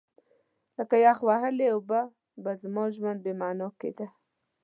لکه یخ وهلې اوبه به زما ژوند بې مانا کېده.